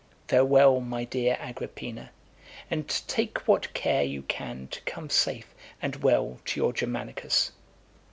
Farewell, my dear Agrippina, and take what care you can to (256) come safe and well to your Germanicus."